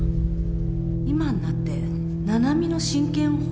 今になって七海の親権を欲しいと